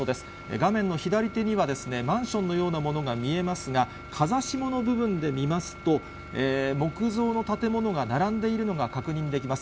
画面の左手には、マンションのようなものが見えますが、風下の部分で見ますと、木造の建物が並んでいるのが確認できます。